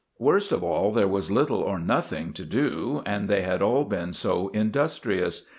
Worst of all, there was little or nothing to do, and they had all been so industrious.